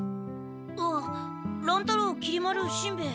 あっ乱太郎きり丸しんべヱ。